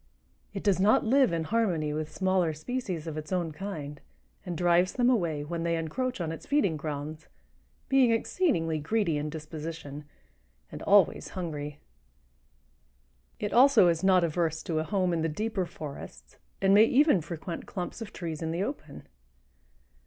"It does not live in harmony with smaller species of its own kind, and drives them away when they encroach on its feeding grounds, being exceedingly greedy in disposition and always hungry." It also is not adverse to a home in the deeper forests and may even frequent clumps of trees in the open.